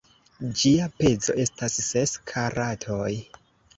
Ĝia pezo estas ses karatoj.